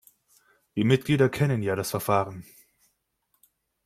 Die Mitglieder kennen ja das Verfahren.